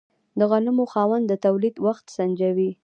د غنمو خاوند د تولید وخت سنجوي.